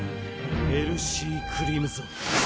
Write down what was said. エルシー・クリムゾン。